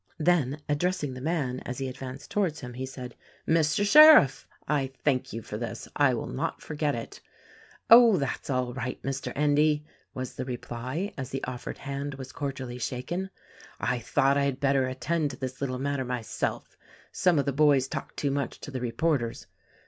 Then addressing the man as he advanced towards him he said, "Mr. Sheriff, I thank you for this; I will not forget it." "Oh, that's all right, Mr. Endy," was the reply, as the offered hand was cordially shaken, "I thought I had better attend to this little matter myself — some of the boys talk too much to the reporters.